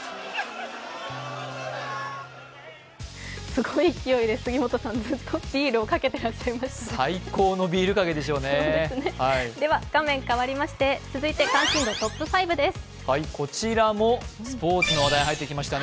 すごい勢いで杉本さんずっとビールをかけてらっしゃいました。